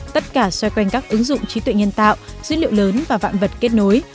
tất cả xoay quanh các ứng dụng trí tuệ nhân tạo dữ liệu lớn và vạn vật kết nối